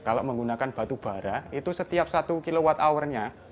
kalau menggunakan batubara itu setiap satu kilowatt hournya